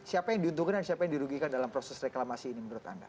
siapa yang diuntungkan dan siapa yang dirugikan dalam proses reklamasi ini menurut anda